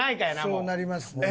そうなりますね。